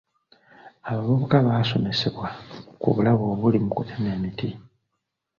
Abavubuka baasomesebwa ku bulabe obuli mu kutema emiti.